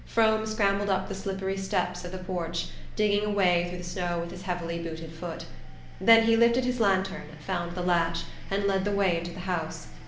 Frome scrambled up the slippery steps of the porch, digging a way through the snow with his heavily booted foot. Then he lifted his lantern, found the latch, and led the way into the house.